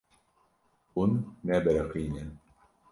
Hûn nebiriqîne.